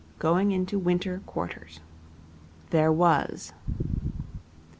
7. Going into Winter Quarters There was.